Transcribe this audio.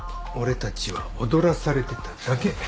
俺たちは踊らされてただけ。